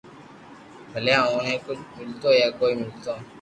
ڀلي اوني ڪجھ ميلتو يا ڪوئي ملتو